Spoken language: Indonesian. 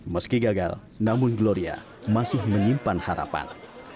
meski gagal namun gloria masih menyimpan harapan